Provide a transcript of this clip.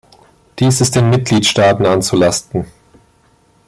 Dies ist den Mitgliedstaaten anzulasten.